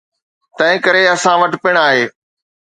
تنهنڪري اسان وٽ پڻ آهي.